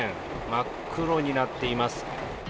真っ黒になっています。